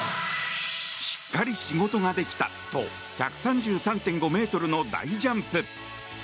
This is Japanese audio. しっかり仕事ができたと１３３．５ｍの大ジャンプ。